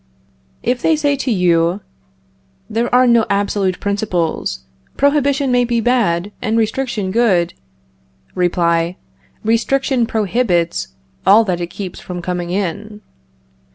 If they say to you: There are no absolute principles; prohibition may be bad, and restriction good Reply: Restriction prohibits all that it keeps from coming in.